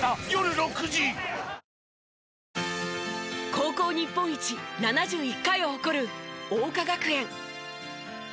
高校日本一７１回を誇る桜花学園。